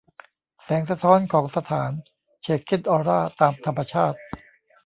แสงสะท้อนของสถาน เฉกเช่นออร่าตามธรรมชาติ